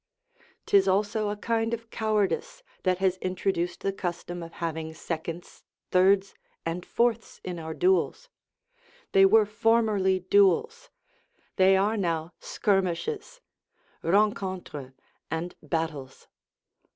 'Tis also a kind of cowardice that has introduced the custom of having seconds, thirds, and fourths in our duels; they were formerly duels; they are now skirmishes, rencontres, and battles.